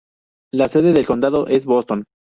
La sede del condado es Boston.